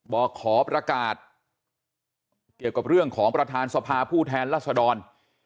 บอกขอประกาศเกี่ยวกับเรื่องของประธานสภาผู้แทนรัศดร